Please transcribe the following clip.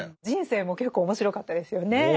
人生も結構面白かったですよね。